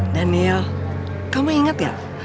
daniel kamu ingat gak